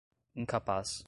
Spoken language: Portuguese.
incapaz